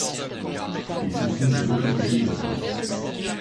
Il se trouve de l'autre côté de la place.